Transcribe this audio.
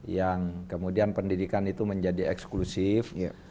yang kemudian pendidikan itu menjadi eksklusif